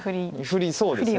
ふりそうですね。